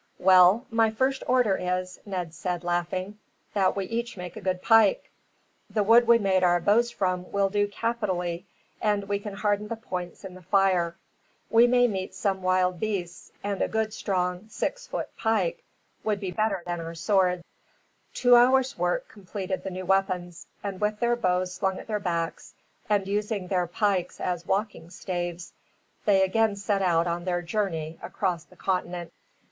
"Well, my first order is," Ned said, laughing, "that we each make a good pike. The wood we made our bows from will do capitally, and we can harden the points in the fire. We may meet some wild beasts, and a good, strong six foot pike would be better than our swords." Two hours' work completed the new weapons, and with their bows slung at their backs, and using their pikes as walking staves, they again set out on their journey across the continent.